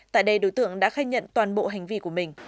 tại đây đối tượng đã khai nhận toàn bộ hành vi của mình